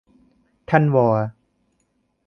ท่านวอ